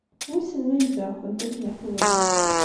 Wissen ma gziɣ-kent akken yeqwem.